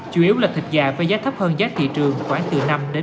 cũng là thịt già với giá thấp hơn giá thị trường khoảng từ năm một mươi